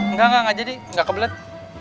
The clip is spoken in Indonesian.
enggak enggak jadi nggak kebelet